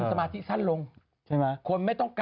คนสมาธิสั้นลง